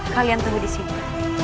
kalian tunggu disini